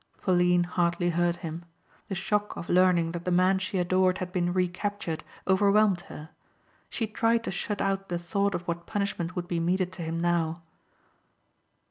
Pauline hardly heard him. The shock of learning that the man she adored had been recaptured overwhelmed her. She tried to shut out the thought of what punishment would be meted to him now.